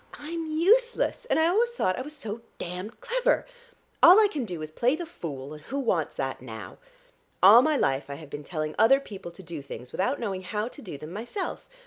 I'm useless, and I always thought I was so damned clever. All I can do is to play the fool, and who wants that now? All my life I have been telling other people to do things, without knowing how to do them myself.